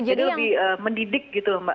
jadi lebih mendidik gitu mbak